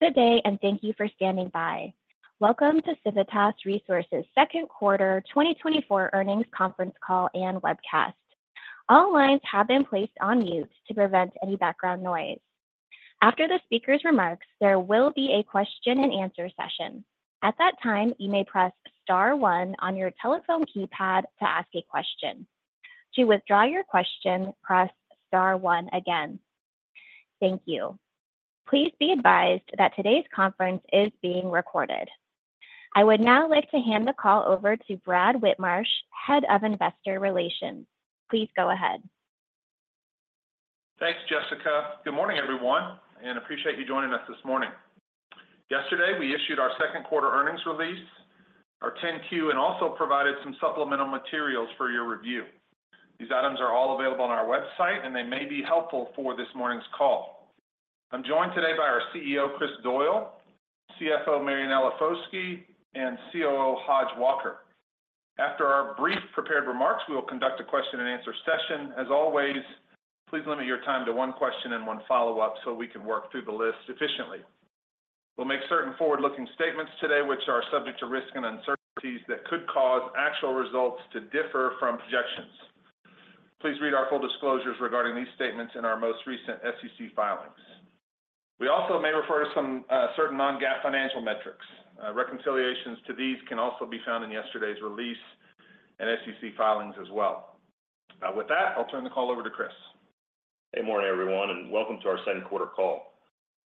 Good day, and thank you for standing by. Welcome to Civitas Resources' Second Quarter 2024 earnings conference call and webcast. All lines have been placed on mute to prevent any background noise. After the speaker's remarks, there will be a question and answer session. At that time, you may press star one on your telephone keypad to ask a question. To withdraw your question, press star one again. Thank you. Please be advised that today's conference is being recorded. I would now like to hand the call over to Brad Whitmarsh, Head of Investor Relations. Please go ahead. Thanks, Jessica. Good morning, everyone, and appreciate you joining us this morning. Yesterday, we issued our Second Quarter earnings release, our 10-Q, and also provided some supplemental materials for your review. These items are all available on our website, and they may be helpful for this morning's call. I'm joined today by our CEO, Chris Doyle, CFO, Marianella Foschi, and COO, Hodge Walker. After our brief prepared remarks, we will conduct a question and answer session. As always, please limit your time to one question and one follow-up so we can work through the list efficiently. We'll make certain forward-looking statements today, which are subject to risks and uncertainties that could cause actual results to differ from projections. Please read our full disclosures regarding these statements in our most recent SEC filings. We also may refer to some certain non-GAAP financial metrics. Reconciliations to these can also be found in yesterday's release and SEC filings as well. With that, I'll turn the call over to Chris. Good morning, everyone, and welcome to our Second Quarter call.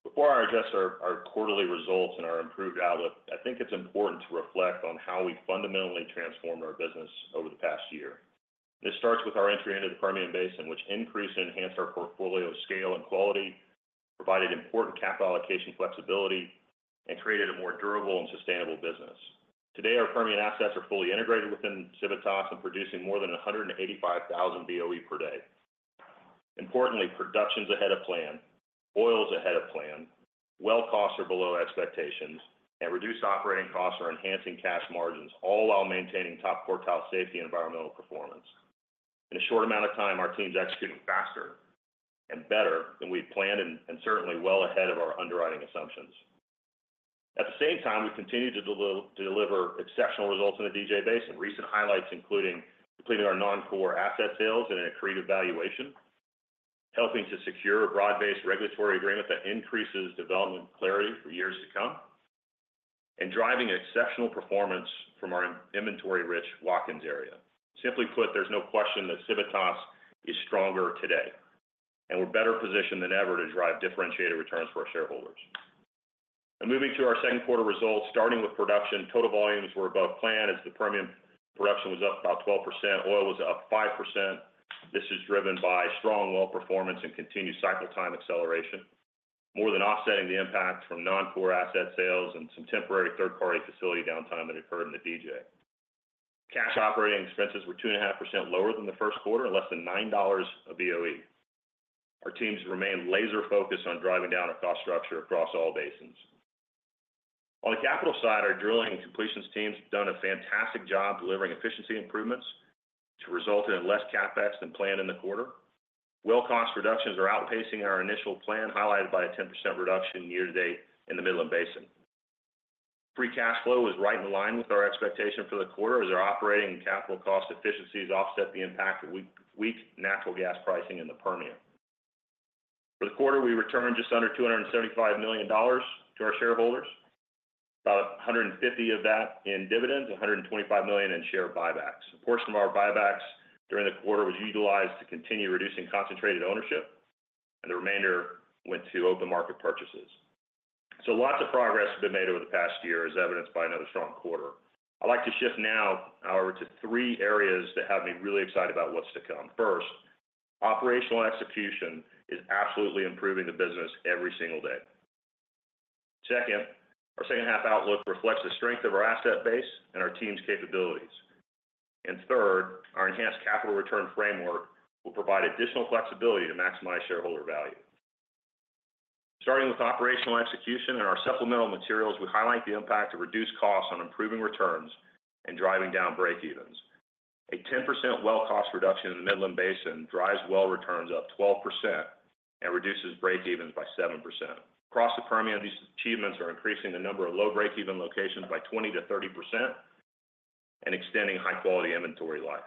Before I address our quarterly results and our improved outlook, I think it's important to reflect on how we fundamentally transformed our business over the past year. This starts with our entry into the Permian Basin, which increased and enhanced our portfolio scale and quality, provided important capital allocation flexibility, and created a more durable and sustainable business. Today, our Permian assets are fully integrated within Civitas and producing more than 185,000 BOE/D. Importantly, production's ahead of plan, oil is ahead of plan, well costs are below expectations, and reduced operating costs are enhancing cash margins, all while maintaining top quartile safety and environmental performance. In a short amount of time, our team's executing faster and better than we'd planned and certainly well ahead of our underwriting assumptions. At the same time, we continue to deliver exceptional results in the DJ Basin. Recent highlights, including completing our non-core asset sales in an accretive valuation, helping to secure a broad-based regulatory agreement that increases development clarity for years to come, and driving exceptional performance from our inventory-rich Watkins area. Simply put, there's no question that Civitas is stronger today, and we're better positioned than ever to drive differentiated returns for our shareholders. Now, moving to our second quarter results, starting with production, total volumes were above plan as the premium production was up about 12%, oil was up 5%. This is driven by strong well performance and continued cycle time acceleration, more than offsetting the impact from non-core asset sales and some temporary third-party facility downtime that occurred in the DJ. Cash operating expenses were 2.5% lower than the first quarter, less than $9/BOE. Our teams remain laser-focused on driving down our cost structure across all basins. On the capital side, our drilling and completions teams have done a fantastic job delivering efficiency improvements to result in less CapEx than planned in the quarter. Well cost reductions are outpacing our initial plan, highlighted by a 10% reduction year-to-date in the Midland Basin. Free cash flow is right in line with our expectation for the quarter, as our operating and capital cost efficiencies offset the impact of weak natural gas pricing in the Permian. For the quarter, we returned just under $275 million to our shareholders, about $150 million of that in dividends, $125 million in share buybacks. A portion of our buybacks during the quarter was utilized to continue reducing concentrated ownership, and the remainder went to open market purchases. Lots of progress has been made over the past year, as evidenced by another strong quarter. I'd like to shift now, however, to three areas that have me really excited about what's to come. First, operational execution is absolutely improving the business every single day. Second, our second half outlook reflects the strength of our asset base and our team's capabilities. And third, our enhanced capital return framework will provide additional flexibility to maximize shareholder value. Starting with operational execution and our supplemental materials, we highlight the impact of reduced costs on improving returns and driving down breakevens. A 10% well cost reduction in the Midland Basin drives well returns up 12% and reduces breakevens by 7%. Across the Permian, these achievements are increasing the number of low breakeven locations by 20%-30% and extending high-quality inventory life.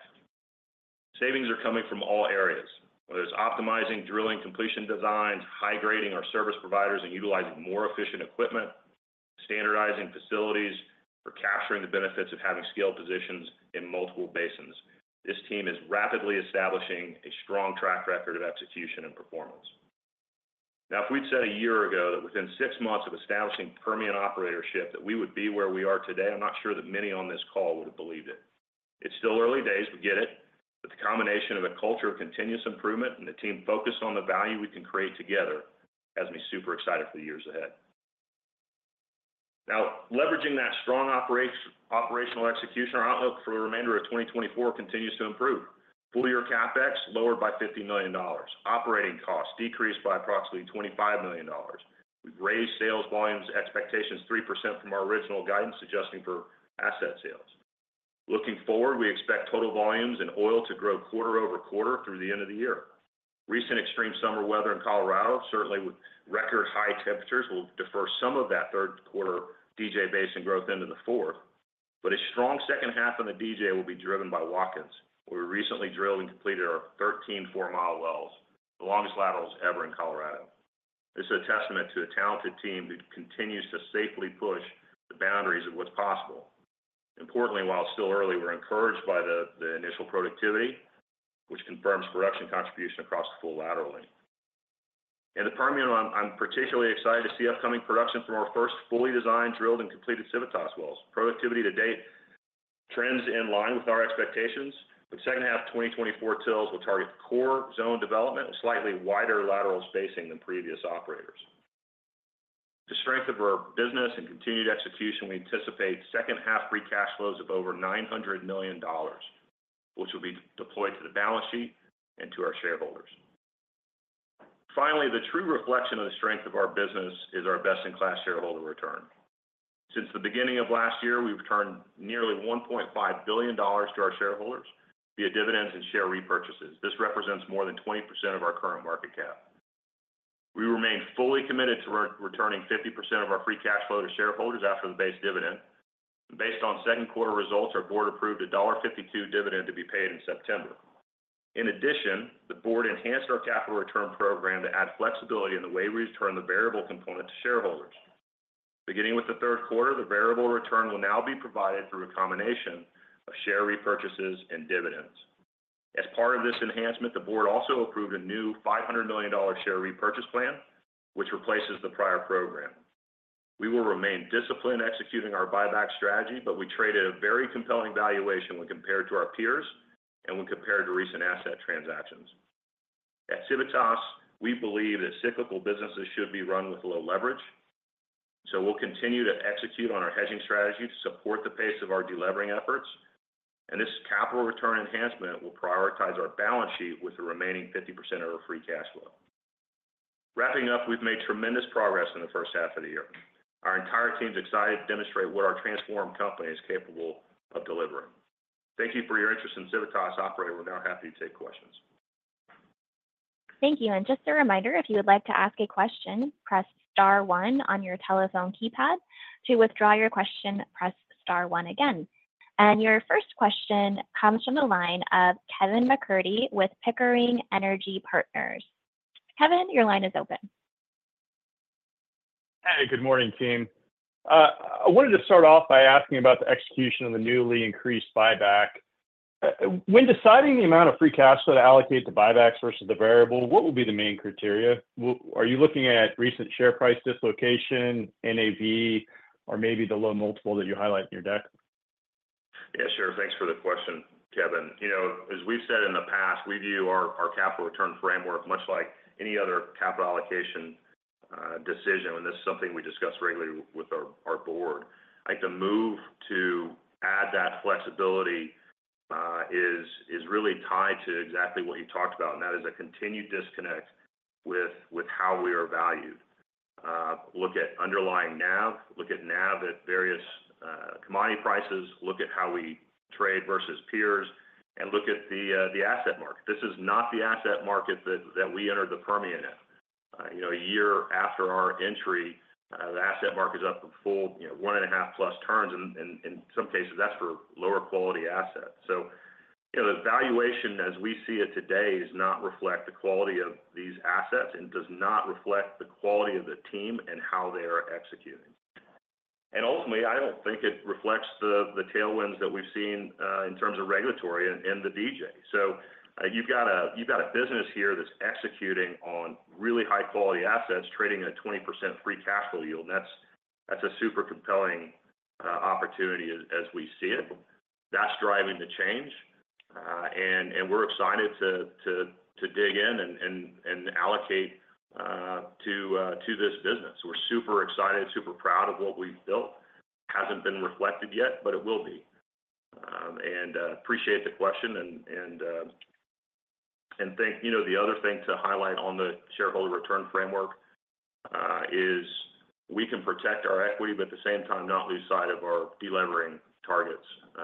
Savings are coming from all areas, whether it's optimizing drilling completion designs, high-grading our service providers, and utilizing more efficient equipment, standardizing facilities for capturing the benefits of having skilled positions in multiple basins. This team is rapidly establishing a strong track record of execution and performance. Now, if we'd said a year ago that within six months of establishing Permian operatorship, that we would be where we are today, I'm not sure that many on this call would have believed it. It's still early days, we get it, but the combination of a culture of continuous improvement and the team focused on the value we can create together, has me super excited for the years ahead. Now, leveraging that strong operational execution, our outlook for the remainder of 2024 continues to improve. Full-year CapEx lowered by $50 million. Operating costs decreased by approximately $25 million. We've raised sales volumes expectations 3% from our original guidance, adjusting for asset sales. Looking forward, we expect total volumes in oil to grow quarter-over-quarter through the end of the year. Recent extreme summer weather in Colorado, certainly with record high temperatures, will defer some of that third quarter DJ Basin growth into the fourth. But a strong second half on the DJ will be driven by Watkins, where we recently drilled and completed our 13 4-mile wells, the longest laterals ever in Colorado. This is a testament to a talented team that continues to safely push the boundaries of what's possible. Importantly, while it's still early, we're encouraged by the initial productivity, which confirms production contribution across the full lateral. In the Permian, I'm particularly excited to see upcoming production from our first fully designed, drilled, and completed Civitas wells. Productivity to date trends in line with our expectations, with second half 2024 TILs will target the core zone development with slightly wider lateral spacing than previous operators. The strength of our business and continued execution, we anticipate second half free cash flows of over $900 million, which will be deployed to the balance sheet and to our shareholders. Finally, the true reflection of the strength of our business is our best-in-class shareholder return. Since the beginning of last year, we've returned nearly $1.5 billion to our shareholders via dividends and share repurchases. This represents more than 20% of our current market cap. We remain fully committed to returning 50% of our free cash flow to shareholders after the base dividend. Based on second quarter results, our board approved a $1.52 dividend to be paid in September. In addition, the board enhanced our capital return program to add flexibility in the way we return the variable component to shareholders. Beginning with the third quarter, the variable return will now be provided through a combination of share repurchases and dividends. As part of this enhancement, the board also approved a new $500 million share repurchase plan, which replaces the prior program. We will remain disciplined executing our buyback strategy, but we trade at a very compelling valuation when compared to our peers and when compared to recent asset transactions. At Civitas, we believe that cyclical businesses should be run with low leverage, so we'll continue to execute on our hedging strategy to support the pace of our delevering efforts, and this capital return enhancement will prioritize our balance sheet with the remaining 50% of our free cash flow. Wrapping up, we've made tremendous progress in the first half of the year. Our entire team's excited to demonstrate what our transformed company is capable of delevering. Thank you for your interest in Civitas Operating. We're now happy to take questions. Thank you. Just a reminder, if you would like to ask a question, press star one on your telephone keypad. To withdraw your question, press star one again. Your first question comes from the line of Kevin MacCurdy with Pickering Energy Partners. Kevin, your line is open. Hey, good morning, team. I wanted to start off by asking about the execution of the newly increased buyback. When deciding the amount of free cash flow to allocate to buybacks versus the variable, what will be the main criteria? Are you looking at recent share price dislocation, NAV, or maybe the low multiple that you highlight in your deck? Yeah, sure. Thanks for the question, Kevin. As we've said in the past, we view our capital return framework much like any other capital allocation decision, and this is something we discuss regularly with our board. I think the move to add that flexibility is really tied to exactly what you talked about, and that is a continued disconnect with how we are valued. Look at underlying NAV, look at NAV at various commodity prices, look at how we trade versus peers, and look at the asset market. This is not the asset market that we entered the Permian in. You know, a year after our entry, the asset market is up a full 1.5+ turns, and in some cases, that's for lower quality assets. The valuation as we see it today does not reflect the quality of these assets and does not reflect the quality of the team and how they are executing. Ultimately, I don't think it reflects the tailwinds that we've seen in terms of regulatory and in the DJ. So, you've got a business here that's executing on really high-quality assets, trading at a 20% free cash flow yield, and that's a super compelling opportunity as we see it. That's driving the change, and we're excited to dig in and allocate to this business. We're super excited, super proud of what we've built. Hasn't been reflected yet, but it will be. Appreciate the question and thank you. The other thing to highlight on the shareholder return framework is we can protect our equity, but at the same time, not lose sight of our delevering targets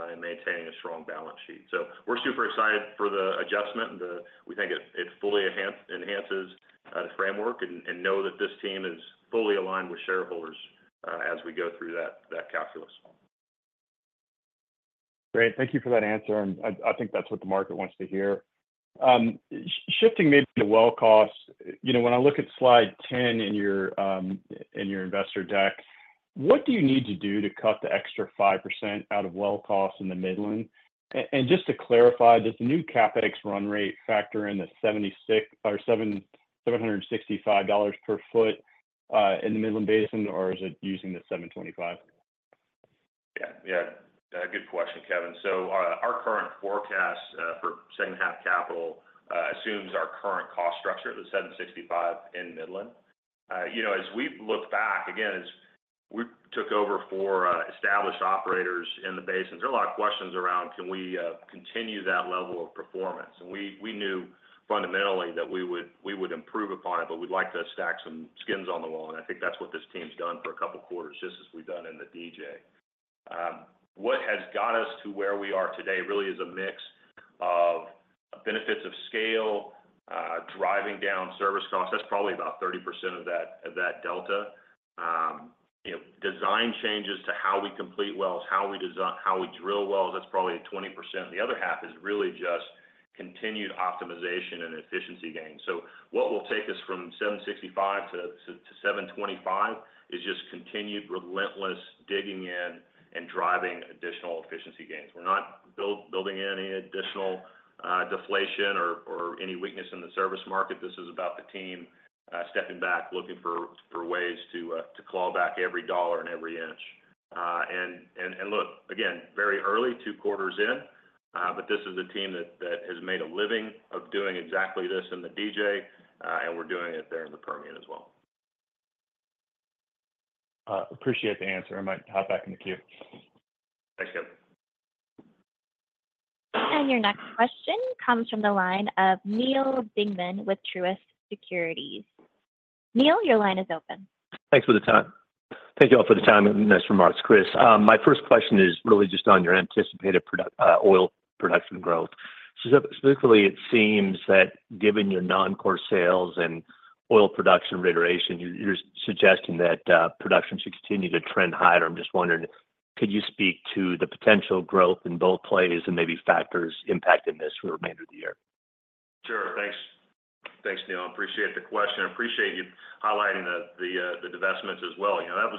and maintaining a strong balance sheet. We're super excited for the adjustment, and we think it fully enhances the framework, and know that this team is fully aligned with shareholders as we go through that calculus. Great. Thank you for that answer, and I think that's what the market wants to hear. Shifting maybe to well costs, when I look at slide 10 in your investor deck, what do you need to do to cut the extra 5% out of well costs in the Midland? Just to clarify, does the new CapEx run rate factor in the $765 per foot in the Midland Basin, or is it using the $725? Yeah, yeah. Good question, Kevin. Our current forecast for second half capital assumes our current cost structure at the $765 in Midland. As we've looked back, again, as we took over for established operators in the basin, there are a lot of questions around, can we continue that level of performance? We knew fundamentally that we would improve upon it, but we'd like to stack some skins on the wall, and I think that's what this team's done for a couple of quarters, just as we've done in the DJ. What has got us to where we are today really is a mix of benefits of scale, driving down service costs. That's probably about 30% of that delta. Design changes to how we complete wells, how we drill wells, that's probably at 20%. The other half is really just continued optimization and efficiency gains. What will take us from $765-$725 is just continued relentless digging in and driving additional efficiency gains. We're not building in any additional deflation or any weakness in the service market. This is about the team stepping back, looking for ways to claw back every dollar and every inch. Look, again, very early, two quarters in, but this is a team that has made a living of doing exactly this in the DJ, and we're doing it there in the Permian as well. Appreciate the answer. I might hop back in the queue. Thanks, Kevin. Your next question comes from the line of Neal Dingmann with Truist Securities. Neal, your line is open. Thanks for the time. Thank you all for the time and nice remarks, Chris. My first question is really just on your anticipated production, oil production growth. Specifically, it seems that given your non-core sales and oil production reiteration, you're suggesting that production should continue to trend higher. I'm just wondering, could you speak to the potential growth in both plays and maybe factors impacting this for the remainder of the year? Sure. Thanks. Thanks, Neal. I appreciate the question, and appreciate you highlighting the divestitures as well. That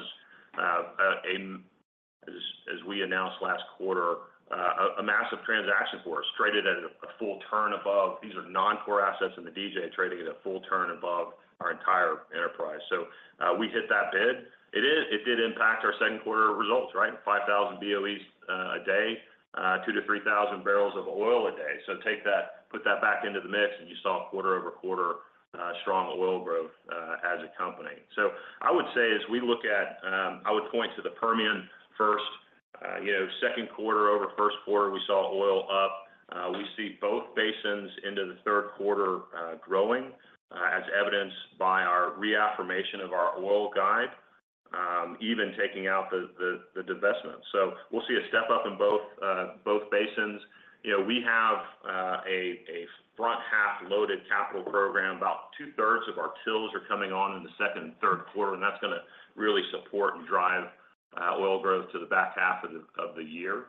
was a massive transaction for us, as we announced last quarter, traded at a full turn above. These are non-core assets in the DJ, trading at a full turn above our entire enterprise. We hit that bid. It did impact our second quarter results, right? 5,000 BOEs a day, 2,000 BOE-3,000 BOEs a day. So take that, put that back into the mix, and you saw quarter-over-quarter strong oil growth as a company. I would say as we look at, I would point to the Permian first. Second quarter over first quarter, we saw oil up. We see both basins into the third quarter growing, as evidenced by our reaffirmation of our oil guide, even taking out the divestment. So we'll see a step-up in both basins. We have a front half loaded capital program. About 2/3 of our TILs are coming on in the second and third quarter, and that's gonna really support and drive oil growth to the back half of the year.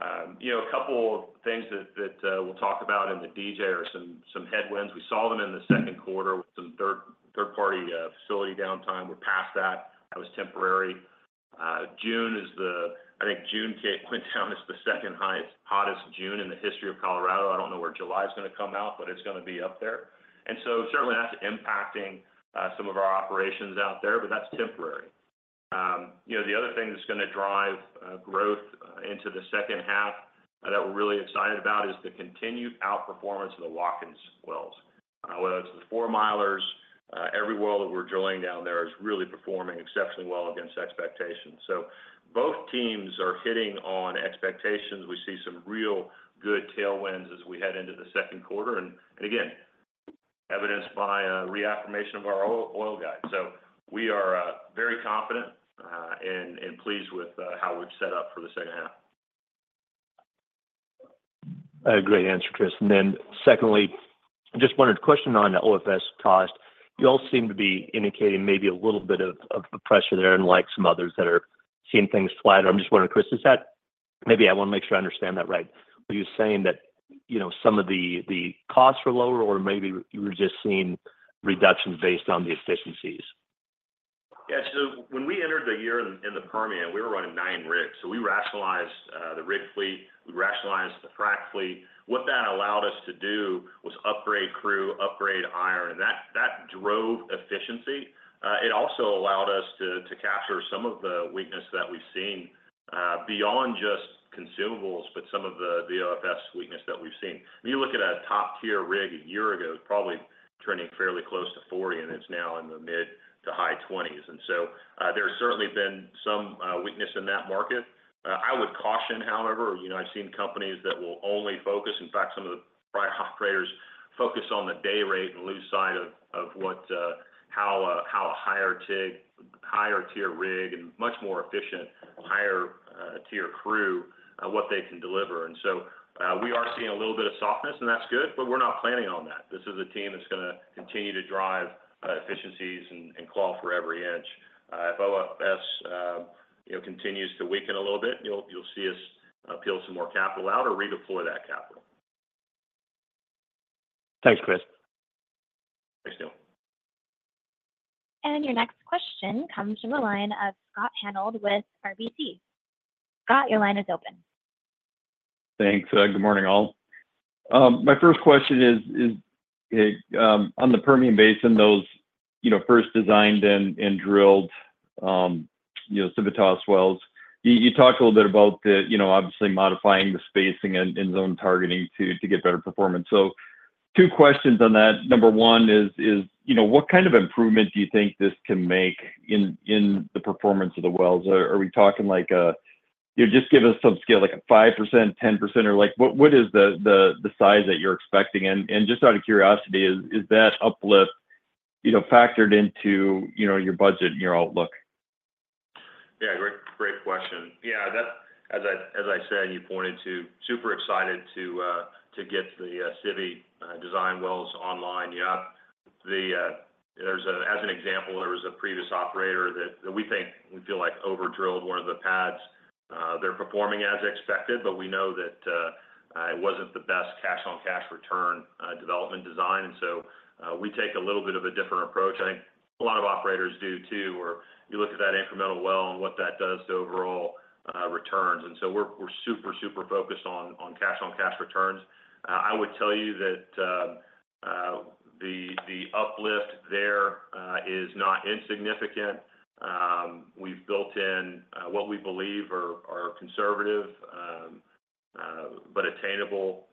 A couple of things that we'll talk about in the DJ are some headwinds. We saw them in the second quarter with some third-party facility downtime. We're past that. That was temporary. I think June went down as the second highest, hottest June in the history of Colorado. I don't know where July is gonna come out, but it's gonna be up there. Certainly, that's impacting some of our operations out there, but that's temporary. The other thing that's gonna drive growth into the second half that we're really excited about is the continued outperformance of the Watkins wells. Whether it's the four milers, every well that we're drilling down there is really performing exceptionally well against expectations. So both teams are hitting on expectations. We see some real good tailwinds as we head into the second quarter, and again, evidenced by a reaffirmation of our oil guide. So we are very confident and pleased with how we've set up for the second half. Great answer, Chris. Then, secondly, just wanted to question on the OFS cost. You all seem to be indicating maybe a little bit of pressure there, unlike some others that are seeing things flatter. I'm just wondering, Chris, is that maybe I want to make sure I understand that right. Were you saying that, some of the costs were lower, or maybe you were just seeing reductions based on the efficiencies? Yeah. When we entered the year in the Permian, we were running nine rigs, so we rationalized the rig fleet, we rationalized the frack fleet. What that allowed us to do was upgrade crew, upgrade iron, and that drove efficiency. It also allowed us to capture some of the weakness that we've seen beyond just consumables, but some of the OFS weakness that we've seen. When you look at a top-tier rig a year ago, it was probably turning fairly close to 40, and it's now in the mid- to high 20s. There's certainly been some weakness in that market. I would caution, however, I've seen companies that will only focus, in fact, some of the private operators focus on the day rate and lose sight of what how a higher-tier rig and much more efficient, higher tier crew what they can deliver. We are seeing a little bit of softness, and that's good, but we're not planning on that. This is a team that's gonna continue to drive efficiencies and claw for every inch. If OFS you know continues to weaken a little bit, you'll see us peel some more capital out or redeploy that capital. Thanks, Chris. Thanks, Neal. Your next question comes from the line of Scott Hanold with RBC. Scott, your line is open. Thanks. Good morning, all. My first question is on the Permian Basin, those, first designed and drilled Civitas wells. You talked a little bit about the, obviously modifying the spacing and zone targeting to get better performance. Two questions on that. Number one is, what kind of improvement do you think this can make in the performance of the wells? Are we talking like just give us some scale, like a 5%, 10%, or like what, what is the size that you're expecting? Just out of curiosity, is that uplift factored into your budget and your outlook? Yeah, great, great question. Yeah, that, as I said, you pointed to, super excited to get the Civitas design wells online. Yeah. There's an example, there was a previous operator that we think, we feel like over-drilled one of the pads. They're performing as expected, but we know that it wasn't the best cash-on-cash return development design. We take a little bit of a different approach. I think a lot of operators do, too, where you look at that incremental well and what that does to overall returns. We're, we're super focused on cash-on-cash returns. I would tell you that the uplift there is not insignificant. We've built in what we believe are conservative but attainable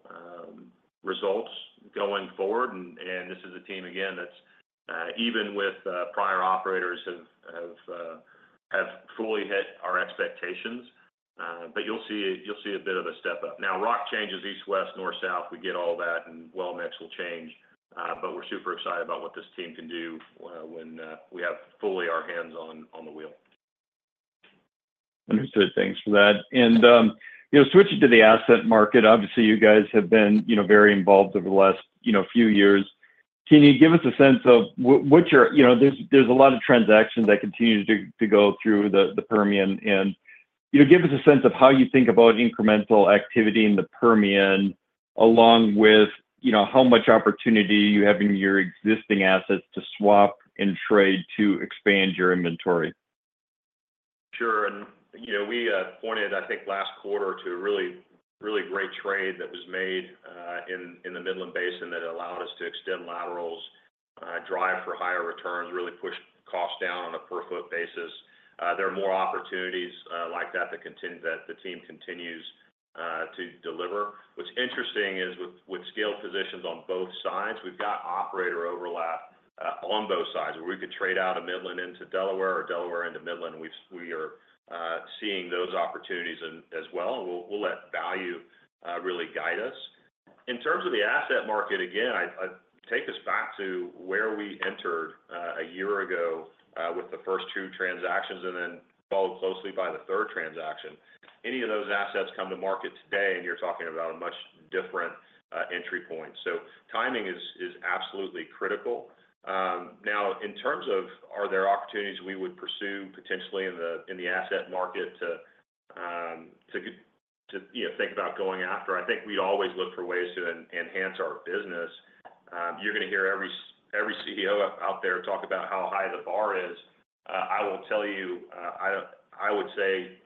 results going forward. This is a team, again, that's even with prior operators have fully hit our expectations. You'll see a bit of a step up. Now, rock changes east, west, north, south, we get all that, and well mix will change. We're super excited about what this team can do when we have fully our hands on the wheel. Understood. Thanks for that. Switching to the asset market, obviously, you guys have been very involved over the last few years. Can you give us a sense of what your, there's a lot of transactions that continue to go through the Permian, and give us a sense of how you think about incremental activity in the Permian, along with how much opportunity you have in your existing assets to swap and trade to expand your inventory? Sure. We pointed, I think last quarter, to a really great trade that was made in the Midland Basin that allowed us to extend laterals, drive for higher returns, really push costs down on a per-foot basis. There are more opportunities like that that the team continues to deliver. What's interesting is with scale positions on both sides, we've got operator overlap on both sides, where we could trade out of Midland into Delaware or Delaware into Midland. We are seeing those opportunities and, as well, and we'll let value really guide us. In terms of the asset market, again, I'd take us back to where we entered a year ago with the first two transactions and then followed closely by the third transaction. Any of those assets come to market today, and you're talking about a much different entry point. Timing is absolutely critical. Now, in terms of are there opportunities we would pursue potentially in the asset market to think about going after? I think we always look for ways to enhance our business. You're gonna hear every CEO out there talk about how high the bar is. I will tell you, I would say,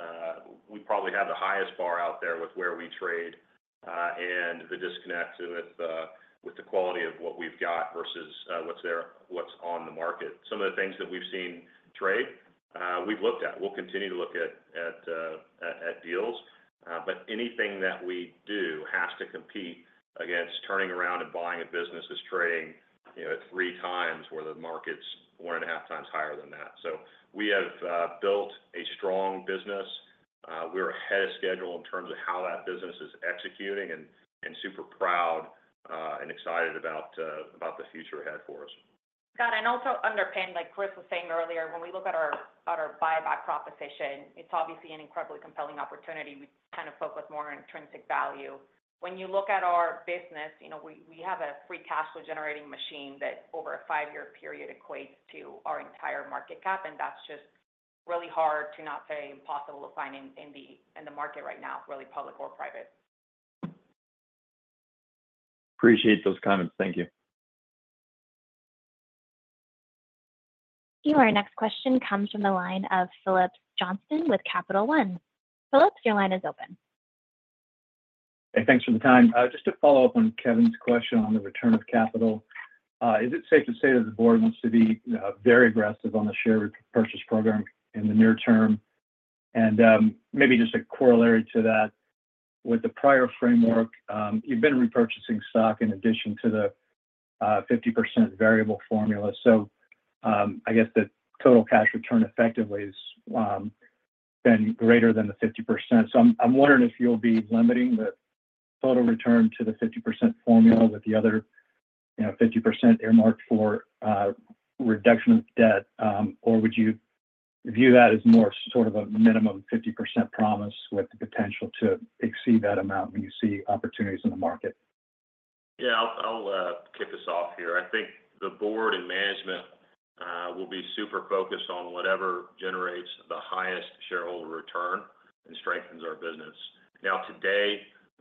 we probably have the highest bar out there with where we trade, and the disconnect with the quality of what we've got versus what's there, what's on the market. Some of the things that we've seen trade, we've looked at. We'll continue to look at deals. Anything that we do has to compete against turning around and buying a business that's trading, you know, at three times, where the market's one and a half times higher than that. So we have built a strong business. We're ahead of schedule in terms of how that business is executing, and super proud and excited about the future ahead for us. Scott, and also underpin, like Chris was saying earlier, when we look at our buyback proposition, it's obviously an incredibly compelling opportunity. We kind of spoke with more intrinsic value. When you look at our business, we have a free cash flow-generating machine that, over a five-year period, equates to our entire market cap, and that's just really hard to not say impossible to find in the market right now, whether public or private. Appreciate those comments. Thank you. Our next question comes from the line of Phillips Johnston with Capital One. Phillips, your line is open. Hey, thanks for the time. Just to follow up on Kevin's question on the return of capital, is it safe to say that the board wants to be very aggressive on the share repurchase program in the near term? Maybe just a corollary to that, with the prior framework, you've been repurchasing stock in addition to the 50% variable formula. So, the total cash return effectively is been greater than the 50%. So I'm wondering if you'll be limiting the total return to the 50% formula, with the other 50% earmarked for reduction of debt? Or would you view that as more sort of a minimum 50% promise, with the potential to exceed that amount when you see opportunities in the market? Yeah, I'll kick us off here. I think the board and management will be super focused on whatever generates the highest shareholder return and strengthens our business.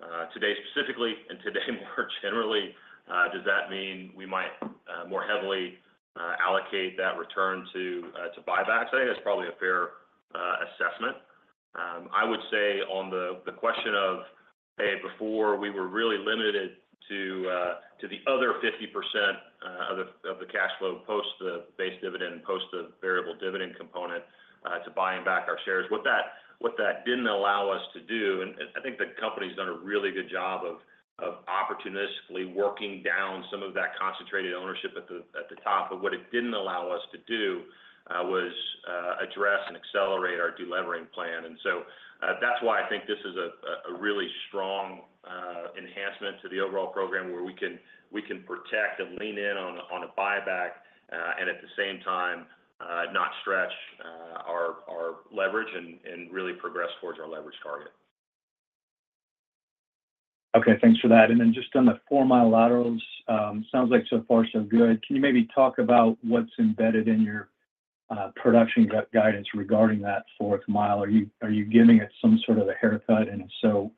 Now, today specifically, and today more generally, does that mean we might more heavily allocate that return to buybacks? I think that's probably a fair assessment. I would say on the question of a before, we were really limited to the other 50% of the cash flow, post the base dividend, post the variable dividend component, to buying back our shares. What that didn't allow us to do, and I think the company's done a really good job of opportunistically working down some of that concentrated ownership at the top, but what it didn't allow us to do was address and accelerate our delevering plan. That's why I think this is a really strong enhancement to the overall program where we can protect and lean in on a buyback, and at the same time, not stretch our leverage and really progress towards our leverage target. Okay, thanks for that. Then just on the four-mile laterals, sounds like so far, so good. Can you maybe talk about what's embedded in your production guidance regarding that fourth mile? Are you giving it some sort of a haircut? And if so,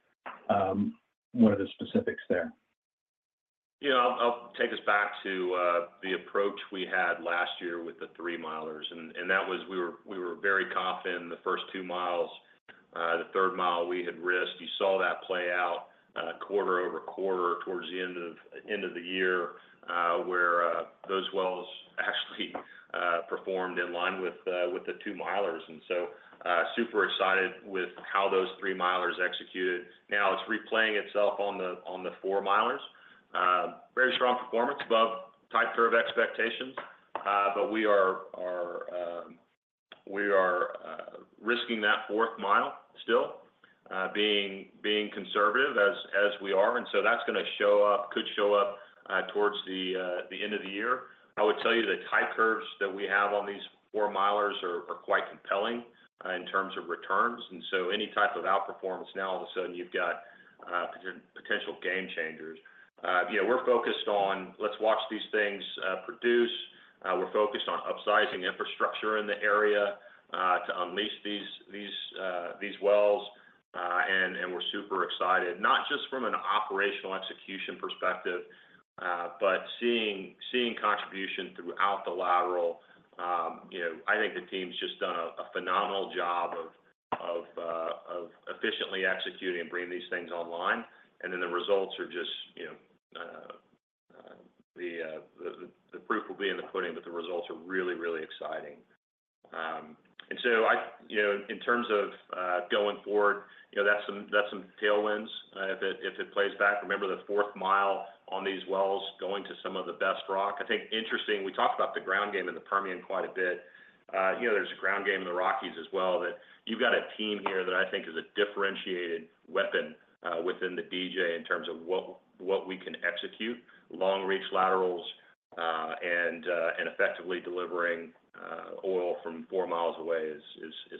what are the specifics there? Yeah, I'll take us back to the approach we had last year with the three milers. And that was we were very confident in the first two miles. The third mile, we had risked. You saw that play out quarter-over-quarter towards the end of the year, where those wells actually performed in line with the two milers. Super excited with how those three milers executed. Now, it's replaying itself on the four milers. Very strong performance, above type curve expectations. We are risking that fourth mile still, being conservative as we are, and so that's gonna show up, could show up, towards the end of the year. I would tell you the type curves that we have on these four milers are quite compelling in terms of returns, and so any type of outperformance, now all of a sudden, you've got potential game changers. Yeah, we're focused on let's watch these things produce. We're focused on upsizing infrastructure in the area to unleash these wells. And we're super excited, not just from an operational execution perspective, but seeing contribution throughout the lateral. The team's just done a phenomenal job of efficiently executing and bringing these things online. Then the results are just the proof will be in the pudding, but the results are really, really exciting. In terms of going forward that's some tailwinds. If it plays back, remember the fourth mile on these wells going to some of the best rock. I think interesting, we talked about the ground game in the Permian quite a bit. There's a ground game in the Rockies as well, that you've got a team here that I think is a differentiated weapon within the DJ in terms of what we can execute. Long-reach laterals and effectively delivering oil from four miles away is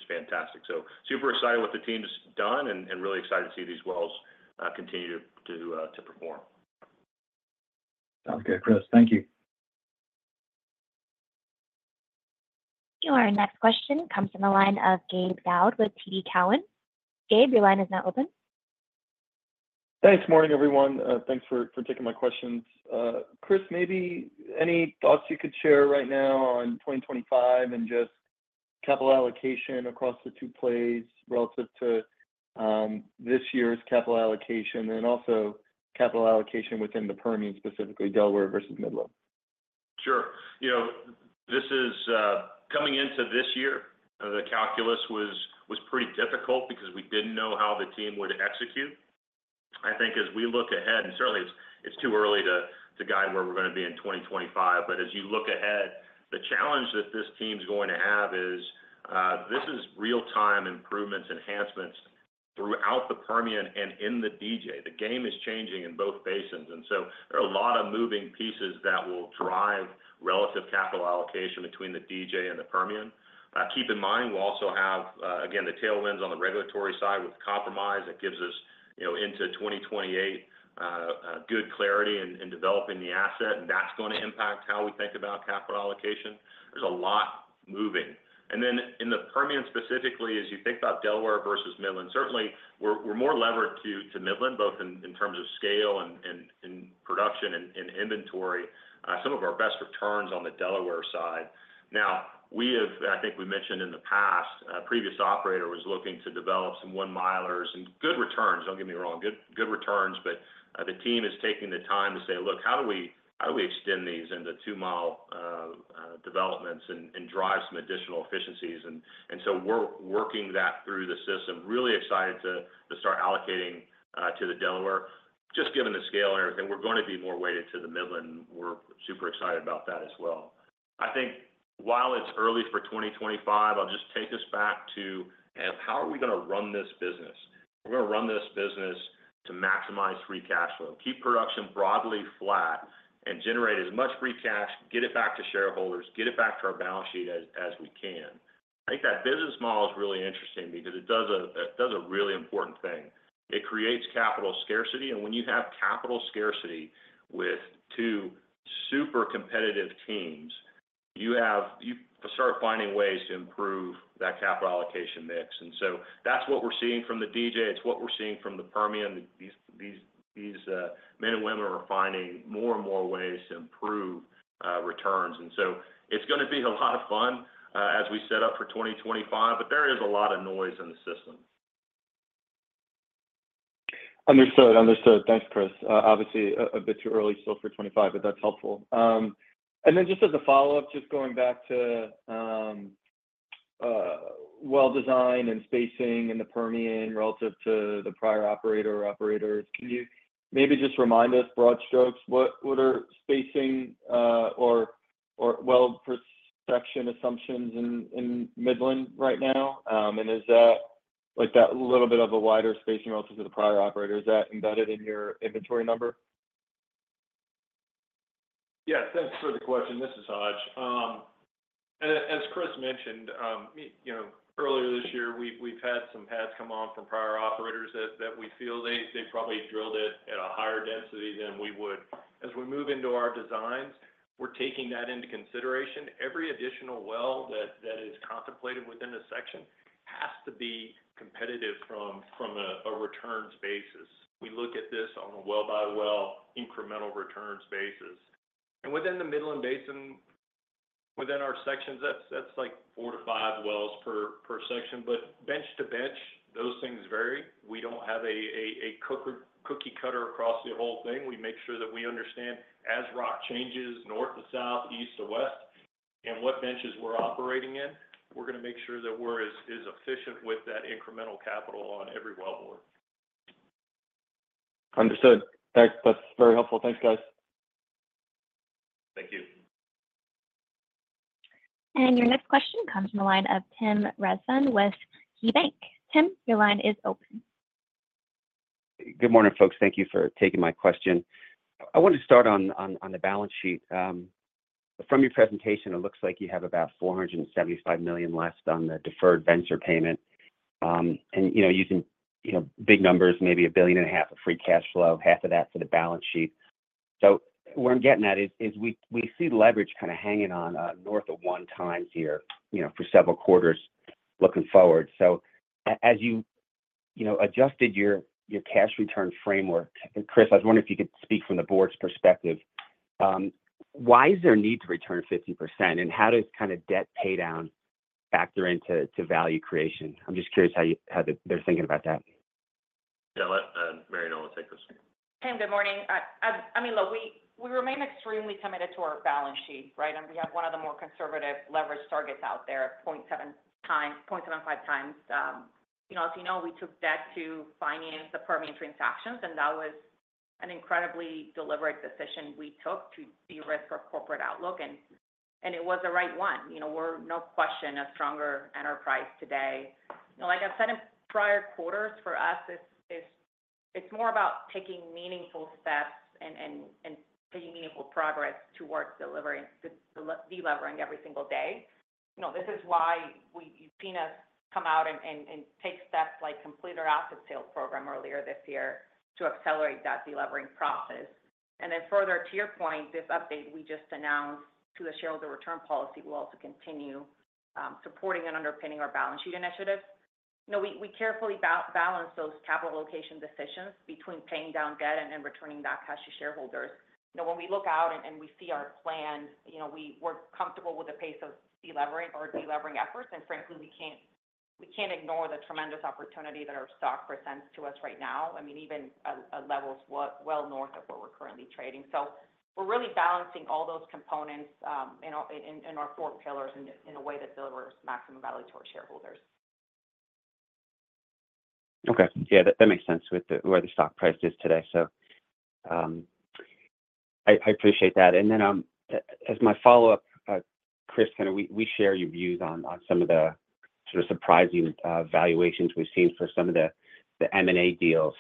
fantastic. Super excited what the team's done and really excited to see these wells continue to perform. Sounds good, Chris. Thank you. Our next question comes from the line of Gabe Daoud with TD Cowen. Gabe, your line is now open. Thanks. Morning, everyone. Thanks for taking my questions. Chris, maybe any thoughts you could share right now on 2025 and just capital allocation across the two plays relative to this year's capital allocation, and also capital allocation within the Permian, specifically Delaware versus Midland? Sure. You know, this is, coming into this year, the calculus was pretty difficult because we didn't know how the team would execute. As we look ahead, and certainly it's too early to guide where we're gonna be in 2025, but as you look ahead, the challenge that this team's going to have is, this is real-time improvements, enhancements throughout the Permian and in the DJ. The game is changing in both basins, and so there are a lot of moving pieces that will drive relative capital allocation between the DJ and the Permian. Keep in mind, we also have, again, the tailwinds on the regulatory side with compromise. That gives us, you know, into 2028, good clarity in developing the asset, and that's going to impact how we think about capital allocation. There's a lot moving. In the Permian, specifically, as you think about Delaware versus Midland, certainly we're more levered to Midland, both in terms of scale and in production and inventory. Some of our best returns on the Delaware side. Now, we have, I think we mentioned in the past, a previous operator was looking to develop some 1-milers and good returns, don't get me wrong, good returns, but the team is taking the time to say, "Look, how do we extend these into 2-mile developments and drive some additional efficiencies?" We're working that through the system. Really excited to start allocating to the Delaware. Just given the scale and everything, we're going to be more weighted to the Midland, and we're super excited about that as well. I think while it's early for 2025, I'll just take us back to how are we gonna run this business? We're gonna run this business to maximize free cash flow, keep production broadly flat, and generate as much free cash, get it back to shareholders, get it back to our balance sheet as we can. I think that business model is really interesting because it does a really important thing. It creates capital scarcity, and when you have capital scarcity with two super competitive teams, you start finding ways to improve that capital allocation mix. That's what we're seeing from the DJ. It's what we're seeing from the Permian. These men and women are finding more and more ways to improve returns. It's gonna be a lot of fun as we set up for 2025, but there is a lot of noise in the system. Understood. Understood. Thanks, Chris. Obviously, a bit too early still for 25, but that's helpful. Then just as a follow-up, just going back to, well design and spacing in the Permian relative to the prior operator or operators, can you maybe just remind us, broad strokes, what are spacing, or well per section assumptions in, Midland right now? Is that, like, that little bit of a wider spacing relative to the prior operator, is that embedded in your inventory number? Yeah, thanks for the question. This is Hodge. As Chris mentioned, earlier this year, we've had some pads come on from prior operators that we feel they probably drilled it at a higher density than we would. As we move into our designs, we're taking that into consideration. Every additional well that is contemplated within a section has to be competitive from a returns basis. We look at this on a well-by-well, incremental returns basis. Within the Midland Basin, within our sections, that's like 4 well-5 wells per section, but bench to bench, those things vary. We don't have a cookie cutter across the whole thing. We make sure that we understand as rock changes north to south, east to west, and what benches we're operating in. We're gonna make sure that we're as efficient with that incremental capital on every well bore. Understood. That's very helpful. Thanks, guys. Thank you. Your next question comes from the line of Tim Rezvan with KeyBanc. Tim, your line is open. Good morning, folks. Thank you for taking my question. I wanted to start on the balance sheet. From your presentation, it looks like you have about $475 million left on the deferred Vencer payment. Using, you know, big numbers, maybe $1.5 billion of free cash flow, $750 million for the balance sheet. What I'm getting at is we see leverage kinda hanging on north of 1x here for several quarters looking forward. So as you adjusted your cash return framework, and Chris, I was wondering if you could speak from the board's perspective, why is there a need to return 50%, and how does kinda debt pay down factor into value creation? I'm just curious how they're thinking about that. Yeah, I'll let Marianella take this one. Tim, good morning. Look, we remain extremely committed to our balance sheet, right? We have one of the more conservative leverage targets out there, 0.7x- 0.75x. We took debt to finance the Permian transactions, and that was an incredibly deliberate decision we took to de-risk our corporate outlook, and it was the right one. We're no question, a stronger enterprise today. You know, like I've said in prior quarters, for us, it's more about taking meaningful steps and taking meaningful progress towards delivering the de-levering every single day. This is why you've seen us come out and take steps like complete our asset sales program earlier this year to accelerate that de-levering process. Then further to your point, this update we just announced to the shareholder return policy will also continue supporting and underpinning our balance sheet initiatives. We carefully balance those capital location decisions between paying down debt and then returning that cash to shareholders. When we look out and we see our plan, you know, we're comfortable with the pace of delevering or de-levering efforts, and frankly, we can't ignore the tremendous opportunity that our stock presents to us right now. Even at levels well north of where we're currently trading. We're really balancing all those components in our four pillars in a way that delivers maximum value to our shareholders. Okay. Yeah, that makes sense with the, where the stock price is today. I appreciate that. hen, as my follow-up, Chris, kinda we share your views on some of the sort of surprising valuations we've seen for some of the M&A deals.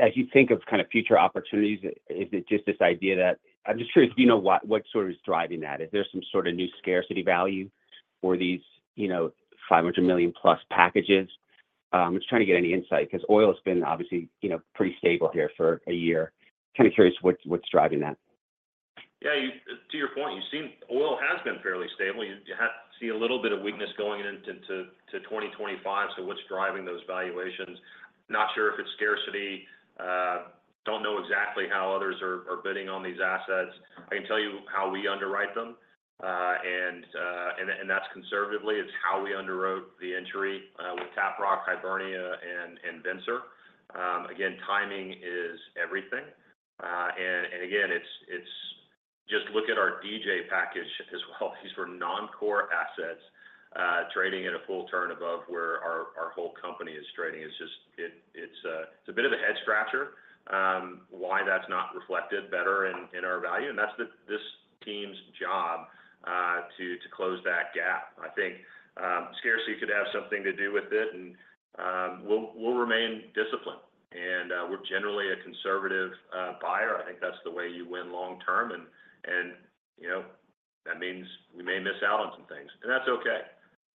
As you think of kind of future opportunities, is it just this idea that I'm just curious, do you know what sort of is driving that? Is there some sort of new scarcity value for these, you know, $500 million+ packages? I'm just trying to get any insight, 'cause oil has been obviously, you know, pretty stable here for a year. Kinda curious what's driving that? Yeah, to your point, you've seen oil has been fairly stable. You have to see a little bit of weakness going into 2025, so what's driving those valuations? Not sure if it's scarcity. Don't know exactly how others are bidding on these assets. I can tell you how we underwrite them, and that's conservatively. It's how we underwrote the entry with Tap Rock, Hibernia, and Vencer. Again, timing is everything. And again, it's just look at our DJ package as well. These were non-core assets trading at a full turn above where our whole company is trading. It's just, it's a bit of a head scratcher why that's not reflected better in our value, and that's this team's job to close that gap. I think, scarcity could have something to do with it, and, we'll remain disciplined, and, we're generally a conservative buyer. I think that's the way you win long term, and that means we may miss out on some things, and that's okay.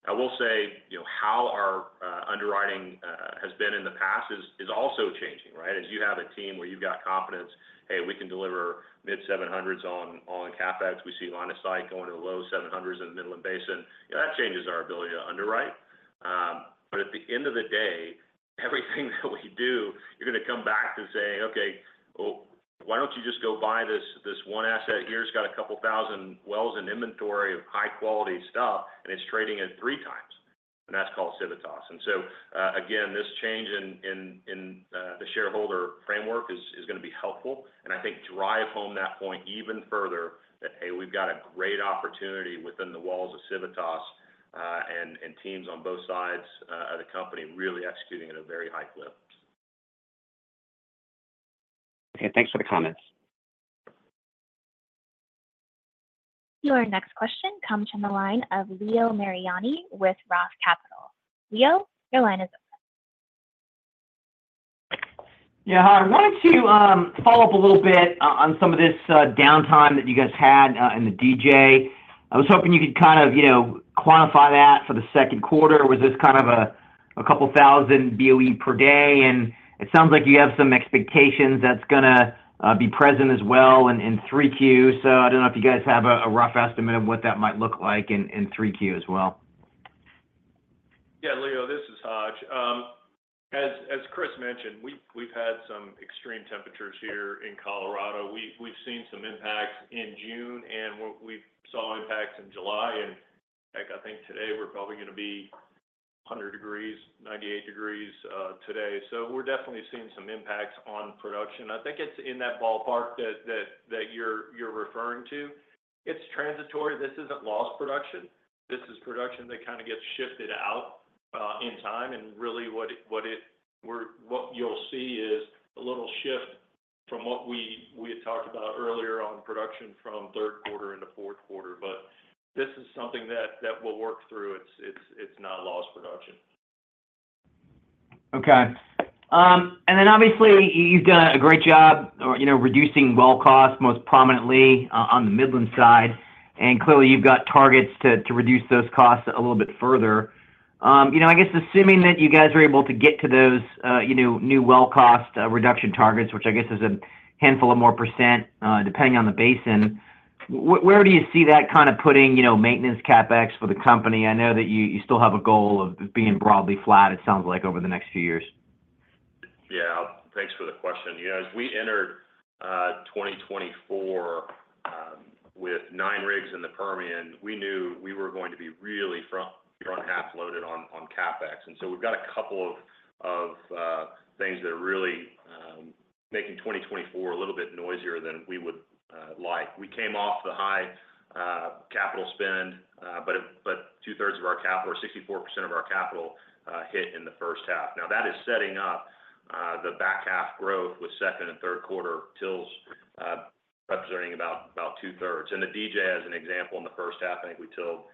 I will say, how our underwriting has been in the past is also changing, right? As you have a team where you've got confidence, hey, we can deliver mid-$700s on CapEx. We see line of sight going to the low $700s in the Midland Basin. That changes our ability to underwrite. But at the end of the day, everything that we do, you're gonna come back to say, "Okay, well, why don't you just go buy this one asset here? It's got a couple thousand wells and inventory of high quality stuff, and it's trading at 3x." And that's called Civitas. Again, this change in the shareholder framework is gonna be helpful, and I think drive home that point even further. Hey, we've got a great opportunity within the walls of Civitas, and teams on both sides of the company really executing at a very high clip. Okay, thanks for the comments. Your next question comes from the line of Leo Mariani with Roth Capital. Leo, your line is open. Yeah, hi. I wanted to follow up a little bit on some of this downtime that you guys had in the DJ. I was hoping you could kind of, you know, quantify that for the second quarter. Was this kind of a couple thousand BOE per day? And it sounds like you have some expectations that's gonna be present as well in 3Q. So I don't know if you guys have a rough estimate of what that might look like in 3Q as well. Yeah, Leo, this is Hodge. As Chris mentioned, we've had some extreme temperatures here in Colorado. We've seen some impacts in June, and we saw impacts in July. Today we're probably gonna be 100 degrees, 98 degrees today. We're definitely seeing some impacts on production. I think it's in that ballpark that you're referring to. It's transitory. This isn't lost production. This is production that kind of gets shifted out in time, and really what you'll see is a little shift from what we had talked about earlier on production from third quarter into fourth quarter. But this is something that we'll work through. It's not a lost production. Okay. And then obviously, you've done a great job, or reducing well costs, most prominently on the Midland side, and clearly, you've got targets to reduce those costs a little bit further. Assuming that you guys are able to get to those, you know, new well cost reduction targets, which I guess is a handful of more percent, depending on the basin, where do you see that kind of putting maintenance CapEx for the company? I know that you still have a goal of being broadly flat, it sounds like, over the next few years. Yeah. Thanks for the question. Yeah, as we entered 2024 with 9 rigs in the Permian, we knew we were going to be really front, front half loaded on CapEx. So we've got a couple of things that are really making 2024 a little bit noisier than we would like. We came off the high capital spend, but 2/3 of our capital, or 64% of our capital, hit in the first half. Now, that is setting up the back half growth with second and third quarter TILs representing about 2/3. In the DJ, as an example, in the first half, I think we TIL'd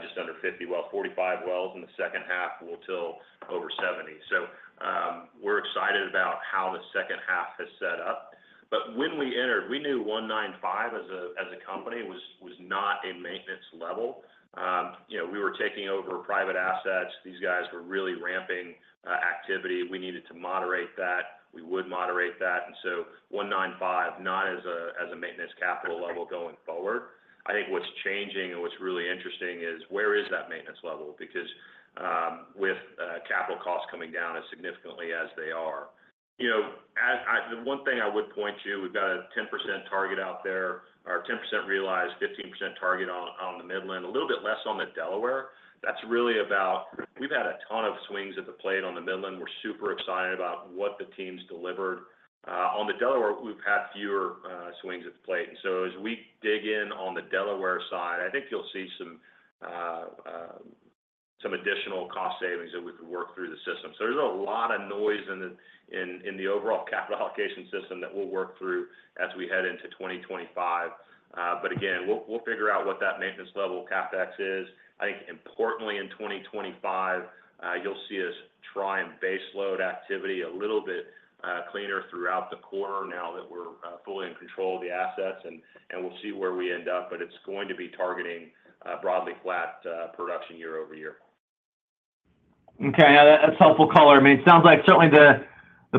just under 50, well, 45 wells. In the second half, we'll TIL over 70. So, we're excited about how the second half has set up. But when we entered, we knew 195 as a company was not a maintenance level. You know, we were taking over private assets. These guys were really ramping activity. We needed to moderate that. We would moderate that. And so 195, not as a maintenance capital level going forward. I think what's changing and what's really interesting is, where is that maintenance level? Because with capital costs coming down as significantly as they are. You know, as I, the one thing I would point to, we've got a 10% target out there, or a 10% realized, 15% target on the Midland, a little bit less on the Delaware. That's really about... We've had a ton of swings at the plate on the Midland. We're super excited about what the teams delivered. On the Delaware, we've had fewer swings at the plate. And so as we dig in on the Delaware side, I think you'll see some additional cost savings that we can work through the system. So there's a lot of noise in the overall capital allocation system that we'll work through as we head into 2025. But again, we'll figure out what that maintenance level CapEx is. I think importantly, in 2025, you'll see us try and baseload activity a little bit cleaner throughout the quarter now that we're fully in control of the assets. And we'll see where we end up, but it's going to be targeting broadly flat production year-over-year. Okay. Yeah, that's helpful color. I mean, it sounds like certainly the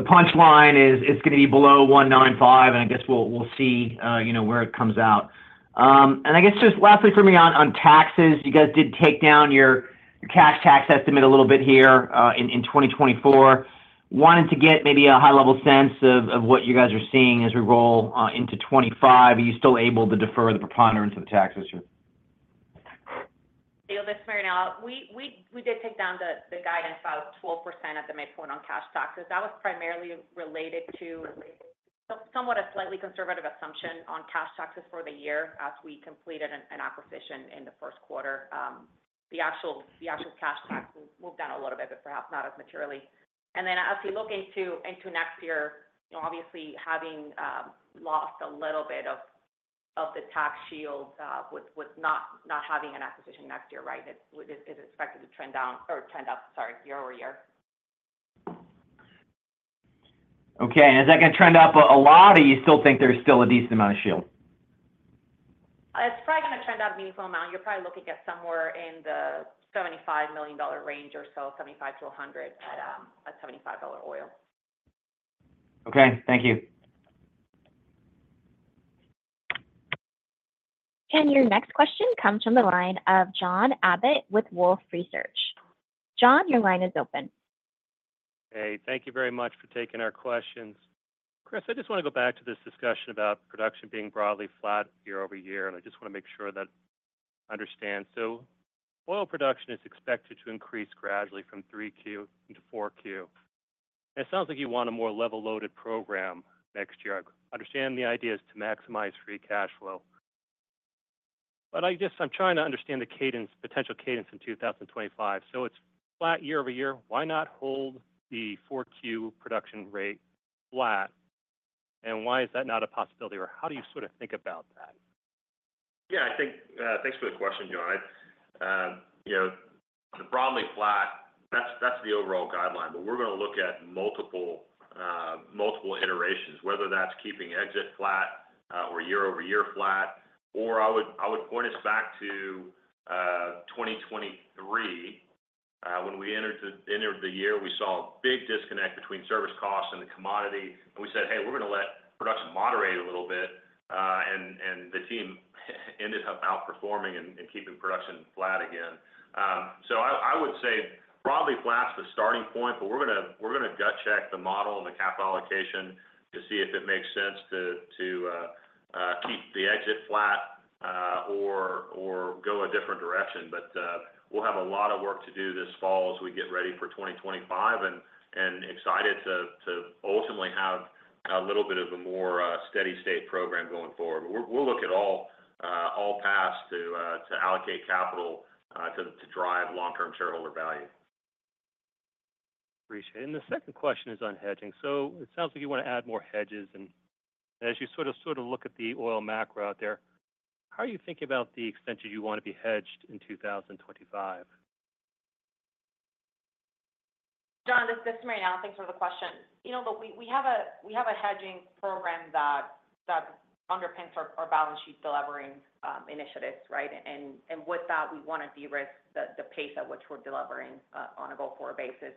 punchline is it's gonna be below 195, and I guess we'll see, you know, where it comes out. I guess just lastly for me on taxes, you guys did take down your cash tax estimate a little bit here in 2024. Wanted to get maybe a high-level sense of what you guys are seeing as we roll into 2025. Are you still able to defer the preponderance of the tax this year? Leo, this is Marianella. We did take down the guidance about 12% at the midpoint on cash taxes. That was primarily related to somewhat a slightly conservative assumption on cash taxes for the year as we completed an acquisition in the first quarter. The actual cash tax will move down a little bit, but perhaps not as materially. And then as we look into next year, you know, obviously, having lost a little bit of the tax shield with not having an acquisition next year, right? It is expected to trend down or trend up, sorry, year-over-year. Okay. Is that going to trend up a lot, or you still think there's still a decent amount of shield? It's probably gonna trend up a meaningful amount. You're probably looking at somewhere in the $75 million dollar range or so, $75-$100 at, at $75 dollar oil. Okay. Thank you. Your next question comes from the line of John Abbott with Wolfe Research. John, your line is open. Hey, thank you very much for taking our questions. Chris, I just want to go back to this discussion about production being broadly flat year-over-year, and I just want to make sure that I understand. So oil production is expected to increase gradually from 3Q into 4Q. It sounds like you want a more level loaded program next year. I understand the idea is to maximize free cash flow. But I just, I'm trying to understand the cadence, potential cadence in 2025. So it's flat year-over-year. Why not hold the 4Q production rate flat, and why is that not a possibility? Or how do you sort of think about that? Yeah, I think, thanks for the question, John. It's broadly flat, that's the overall guideline, but we're gonna look at multiple, multiple iterations, whether that's keeping exit flat, or year-over-year flat, or I would point us back to 2023. When we entered the year, we saw a big disconnect between service costs and the commodity, and we said, "Hey, we're gonna let production moderate a little bit," and, and the team ended up outperforming and, and keeping production flat again. So I would say broadly flat's the starting point, but we're gonna gut check the model and the cap allocation to see if it makes sense to keep the exit flat, or go a different direction. We'll have a lot of work to do this fall as we get ready for 2025, and excited to ultimately have a little bit of a more steady state program going forward. We'll look at all paths to allocate capital to drive long-term shareholder value. Appreciate it. The second question is on hedging. It sounds like you wanna add more hedges, and as you sort of llook at the oil macro out there, how are you thinking about the extent that you wanna be hedged in 2025? John, this is Marianella Foschi. Thanks for the question. Look, we have a hedging program that underpins our balance sheet delevering initiatives, right? With that, we wanna de-risk the pace at which we're delivering on a go-forward basis.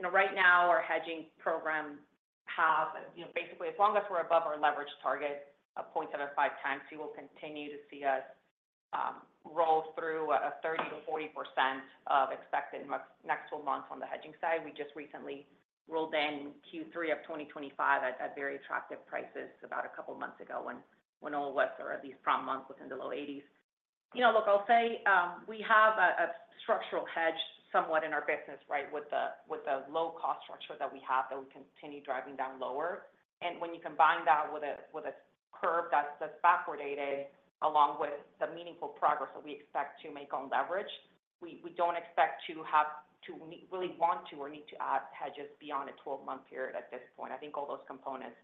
Right now, our hedging program have basically, as long as we're above our leverage target of 0.75x, you will continue to see us roll through 30%-40% of expected next 12 months on the hedging side. We just recently rolled in Q3 of 2025 at very attractive prices about a couple of months ago, when oil was, or at least front month, within the low $80s. I'll say, we have a structural hedge somewhat in our business, right, with the low cost structure that we have, that we continue driving down lower. When you combine that with a curve that's backwardated, along with the meaningful progress that we expect to make on leverage, we don't expect to have to really want to or need to add hedges beyond a 12-month period at this point. I think all those components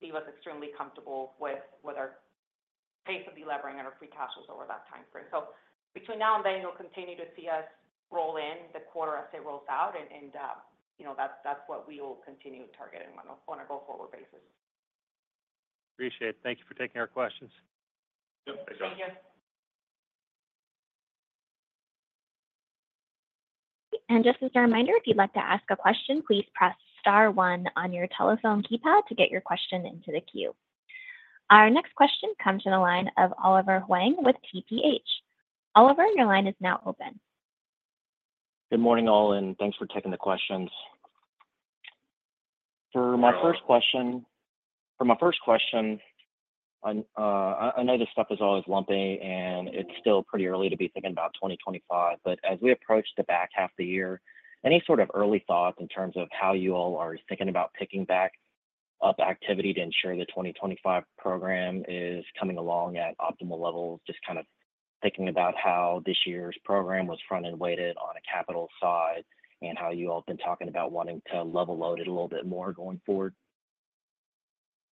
leave us extremely comfortable with our pace of delevering and our free cash flows over that time frame. So between now and then, you'll continue to see us roll in the quarter as it rolls out, and you know, that's what we will continue targeting on a go-forward basis. Appreciate it. Thank you for taking our questions. Yep. Thanks, John. Thank you. Just as a reminder, if you'd like to ask a question, please press star one on your telephone keypad to get your question into the queue. Our next question comes to the line of Oliver Huang with TPH. Oliver, your line is now open. Good morning, all, and thanks for taking the questions. For my first question, I know this stuff is always lumpy, and it's still pretty early to be thinking about 2025, but as we approach the back half of the year, any sort of early thoughts in terms of how you all are thinking about picking back up activity to ensure the 2025 program is coming along at optimal levels? Just kind of thinking about how this year's program was front-end weighted on a capital side, and how you all have been talking about wanting to level load it a little bit more going forward.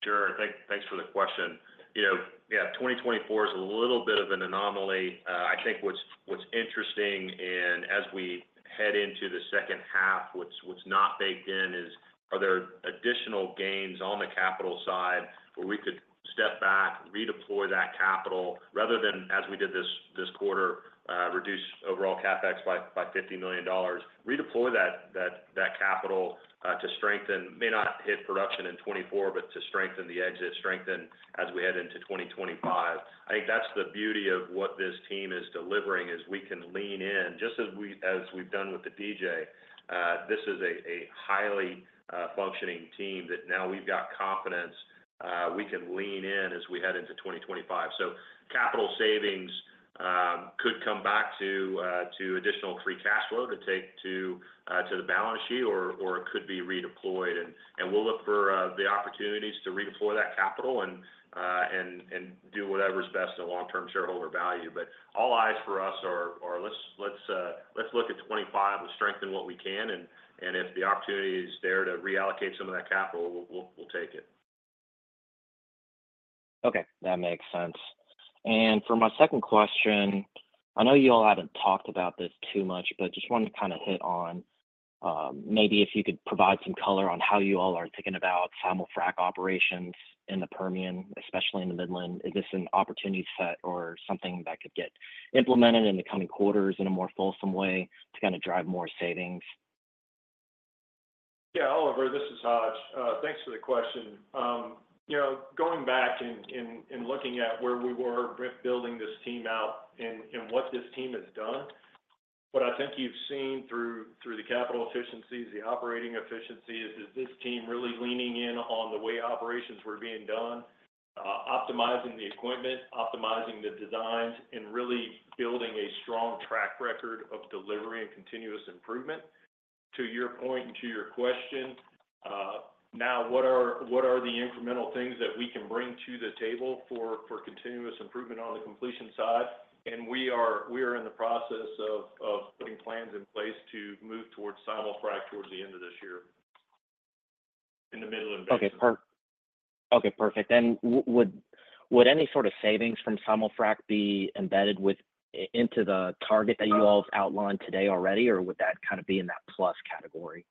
Sure. Thanks for the question. You know, yeah, 2024 is a little bit of an anomaly. I think what's interesting, and as we head into the second half, what's not baked in is, are there additional gains on the capital side where we could step back, redeploy that capital, rather than, as we did this quarter, reduce overall CapEx by $50 million, redeploy that capital to strengthen may not hit production in 2024, but to strengthen the exit, strengthen as we head into 2025. I think that's the beauty of what this team is delivering, is we can lean in, just as we've done with the DJ. This is a highly functioning team that now we've got confidence we can lean in as we head into 2025. So capital savings could come back to additional free cash flow to take to the balance sheet, or it could be redeployed. And we'll look for the opportunities to redeploy that capital and do whatever is best in long-term shareholder value. But all eyes for us are let's look at 2025 and strengthen what we can, and if the opportunity is there to reallocate some of that capital, we'll take it. Okay, that makes sense. For my second question, I know you all haven't talked about this too much, but just wanted to kind of hit on, maybe if you could provide some color on how you all are thinking about simul-frac operations in the Permian, especially in the Midland. Is this an opportunity set or something that could get implemented in the coming quarters in a more fulsome way to kind of drive more savings? Yeah, Oliver, this is Hodge. Thanks for the question. Going back and looking at where we were with building this team out and what this team has done, what I think you've seen through the capital efficiencies, the operating efficiencies, is this team really leaning in on the way operations were being done. Optimizing the equipment, optimizing the designs, and really building a strong track record of delivering continuous improvement. To your point and to your question, now, what are the incremental things that we can bring to the table for continuous improvement on the completion side? We are in the process of putting plans in place to move towards simul-frac towards the end of this year, in the middle of December. Okay, perfect. Then would any sort of savings from simul-frac be embedded within the target that you all have outlined today already, or would that kind of be in that plus category?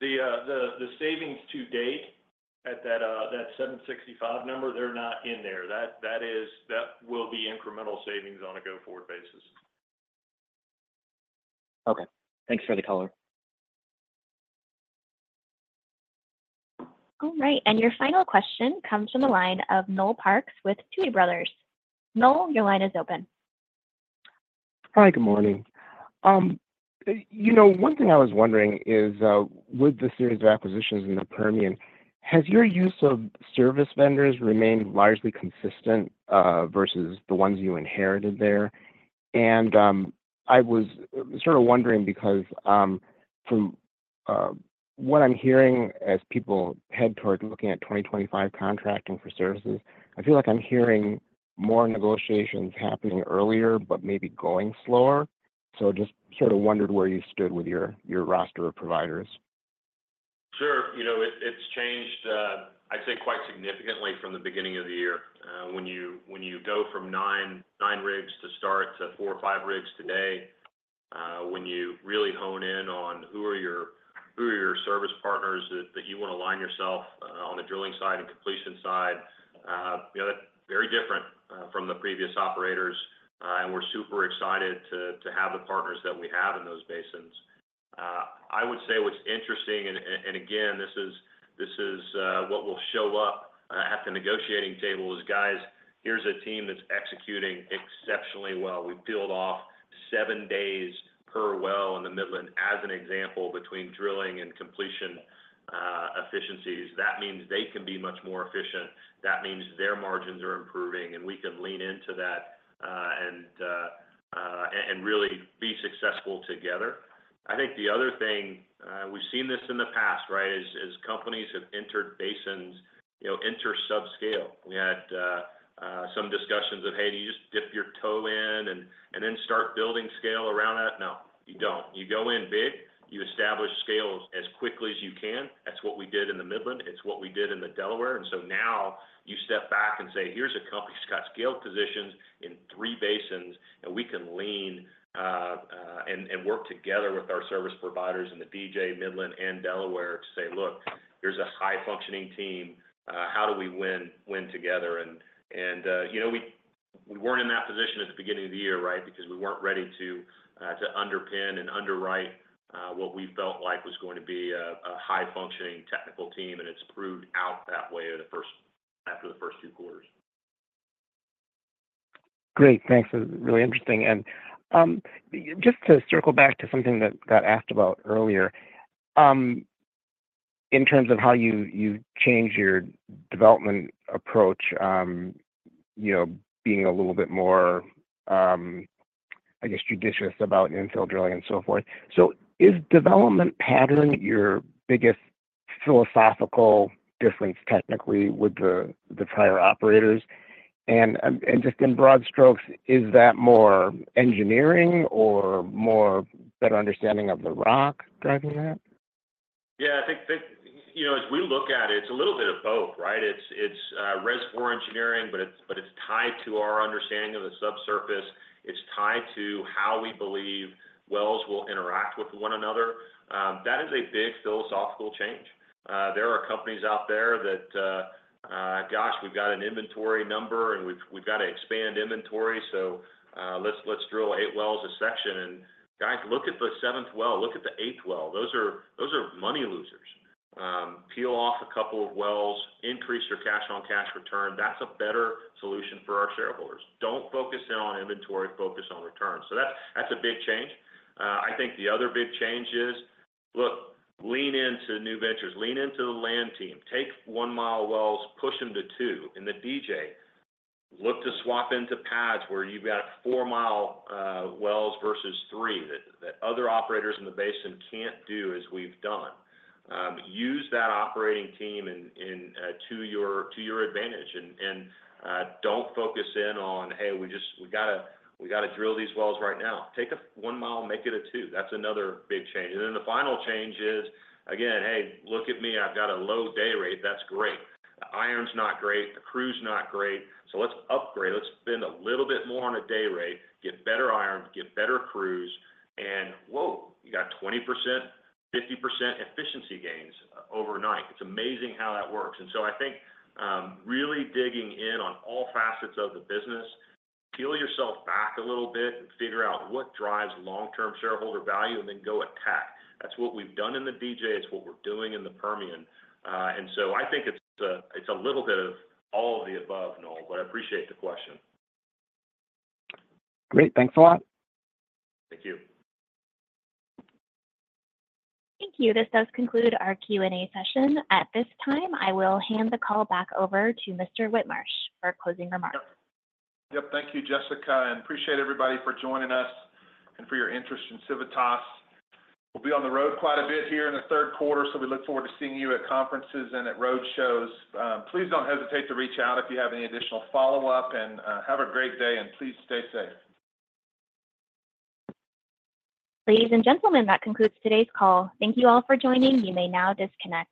The savings to date at that 765 number, they're not in there. That will be incremental savings on a go-forward basis. Okay. Thanks for the color. All right, and your final question comes from the line of Noel Parks with Tuohy Brothers. Noel, your line is open. Hi, good morning. One thing I was wondering is, with the series of acquisitions in the Permian, has your use of service vendors remained largely consistent, versus the ones you inherited there? I was sort of wondering because, from what I'm hearing as people head towards looking at 2025 contracting for services, I feel like I'm hearing more negotiations happening earlier, but maybe going slower. So just sort of wondered where you stood with your, your roster of providers? Sure. You know, it's changed, I'd say, quite significantly from the beginning of the year. When you go from 9 rigs to start to 4 or 5 rigs today, when you really hone in on who are your service partners that you want to align yourself on the drilling side and completion side, that's very different from the previous operators. We're super excited to have the partners that we have in those basins. I would say what's interesting, and again, this is what will show up at the negotiating table is, guys, here's a team that's executing exceptionally well. We've peeled off 7 days per well in the Midland, as an example, between drilling and completion efficiencies. That means they can be much more efficient, that means their margins are improving, and we can lean into that, and really be successful together. The other thing, we've seen this in the past, right? Is, as companies have entered basins, you know, enter subscale. We had, some discussions of, "Hey, do you just dip your toe in and, then start building scale around that?" No, you don't. You go in big, you establish scales as quickly as you can. That's what we did in the Midland. It's what we did in the Delaware. You step back and say, "Here's a company that's got scale positions in three basins, and we can lean, and work together with our service providers in the DJ, Midland, and Delaware to say, 'Look, here's a high-functioning team. How do we win, win together?" We weren't in that position at the beginning of the year, right? Because we weren't ready to underpin and underwrite what we felt like was going to be a high-functioning technical team, and it's proved out that way after the first two quarters. Great, thanks. This is really interesting. Just to circle back to something that got asked about earlier, in terms of how you changed your development approach being a little bit more judicious about infill drilling and so forth. Is development patterning your biggest philosophical difference technically with the prior operators? Just in broad strokes, is that more engineering or more better understanding of the rock driving that? Yeah, as we look at it, it's a little bit of both, right? It's reservoir engineering, but it's tied to our understanding of the subsurface. It's tied to how we believe wells will interact with one another. That is a big philosophical change. There are companies out there that, gosh, we've got an inventory number, and we've got to expand inventory, so let's drill eight wells a section. Guys, look at the seventh well, look at the eighth well. Those are money losers. Peel off a couple of wells, increase your cash on cash return. That's a better solution for our shareholders. Don't focus in on inventory, focus on return. So that's a big change. I think the other big change is, look, lean into new ventures, lean into the land team. Take 1-mile wells, push them to 2. In the DJ, look to swap into pads where you've got 4-mile wells versus 3, that other operators in the basin can't do as we've done. Use that operating team to your advantage, and don't focus in on, hey, we just, we gotta drill these wells right now. Take a 1-mile, make it a 2. That's another big change. Then the final change is, again, hey, look at me, I've got a low day rate. That's great. The iron's not great, the crew's not great, so let's upgrade. Let's spend a little bit more on a day rate, get better iron, get better crews, and whoa, you got 20%, 50% efficiency gains overnight. It's amazing how that works. Really digging in on all facets of the business, peel yourself back a little bit and figure out what drives long-term shareholder value, and then go attack. That's what we've done in the DJ. It's what we're doing in the Permian. It's a little bit of all of the above, Noel, but I appreciate the question. Great. Thanks a lot. Thank you. Thank you. This does conclude our Q&A session. At this time, I will hand the call back over to Mr. Whitmarsh for closing remarks. Yep. Thank you, Jessica, and appreciate everybody for joining us and for your interest in Civitas. We'll be on the road quite a bit here in the third quarter, so we look forward to seeing you at conferences and at road shows. Please don't hesitate to reach out if you have any additional follow-up, and have a great day, and please stay safe. Ladies and gentlemen, that concludes today's call. Thank you all for joining. You may now disconnect.